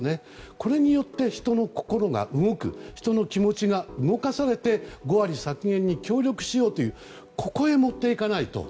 これによって人の心が動く、人の気持ちが動かされて５割削減に協力しようというここへもっていかないと。